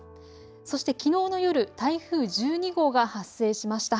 そしてきのうの夜、台風１２号が発生しました。